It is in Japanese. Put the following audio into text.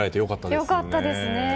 よかったですね。